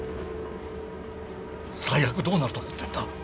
最悪どうなると思ってんだ？